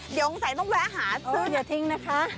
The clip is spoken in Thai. เดี๋ยวสงสัยต้องแวะหาซื้ออย่าทิ้งนะคะ